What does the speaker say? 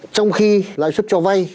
trong khi lãi xuất cho vay